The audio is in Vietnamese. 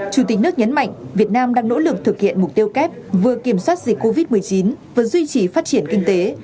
chủ tịch nước nhấn mạnh việt nam đang nỗ lực thực hiện mục tiêu kép vừa kiểm soát dịch covid một mươi chín vừa duy trì phát triển kinh tế